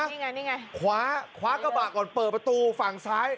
นี่ไงนี่ไงขวาคว้ากระบะก่อนเปิดประตูฝั่งซ้าย